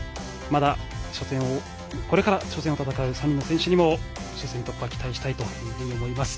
これから初戦を戦う３人の選手にも初戦突破期待したいと思います。